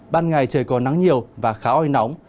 ban ngày trời có nắng nhiều và khá oi nóng